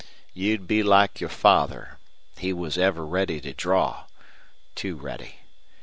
"You'd be like your father. He was ever ready to draw too ready.